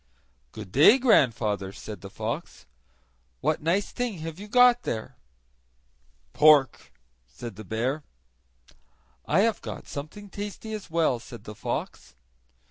"Good day, grandfather!" said the fox. "What nice thing have you got there?" "Pork," said the bear. "I have got something tasty as well," said the fox.